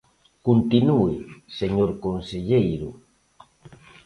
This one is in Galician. Continúe, señor conselleiro.